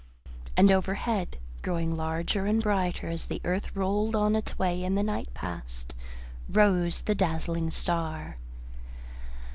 And overhead, growing larger and brighter, as the earth rolled on its way and the night passed, rose the dazzling star.